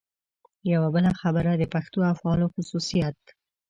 یوه بله خبره د پښتو افعالو خصوصیت.